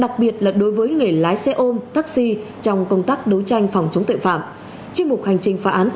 công an nhân dân